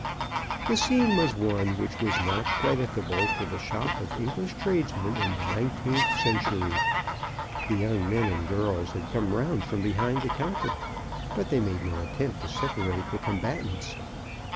The scene was one which was not creditable to the shop of English tradesmen in the nineteenth century. The young men and girls had come round from behind the counter, but they made no attempt to separate the combatants.